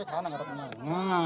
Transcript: oke rekan rekan ya